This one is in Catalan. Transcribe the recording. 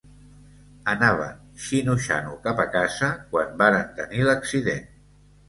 Anaven xino-xano cap a casa quan varen tenir l'accident.